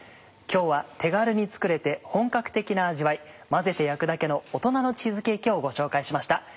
今日は手軽に作れて本格的な味わい混ぜて焼くだけの大人のチーズケーキをご紹介しました。